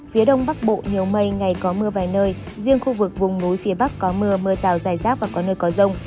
phía đông bắc bộ nhiều mây ngày có mưa vài nơi riêng khu vực vùng núi phía bắc có mưa mưa rào dài rác và có nơi có rông